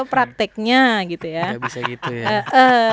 pada prakteknya ada beberapa kali atau beberapa waktu yang ya